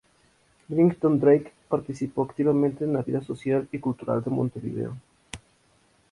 Millington-Drake participó activamente en la vida social y cultural de Montevideo.